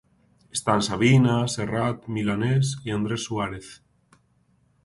Están Sabina, Serrat, Milanés e Andrés Suárez.